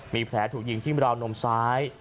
มีแผลถูกยิงที่ราวนมซ้าย